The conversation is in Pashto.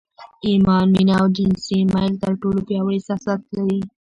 ايمان، مينه او جنسي ميل تر ټولو پياوړي احساسات دي.